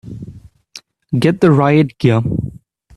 Get the riot gear!